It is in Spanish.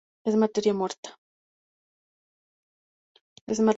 Es materia muerta.